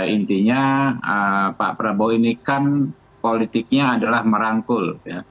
intinya pak prabowo ini kan politiknya adalah merangkul